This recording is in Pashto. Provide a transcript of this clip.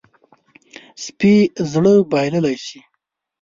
سپي زړه بایللی شي.